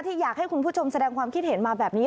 อยากให้คุณผู้ชมแสดงความคิดเห็นมาแบบนี้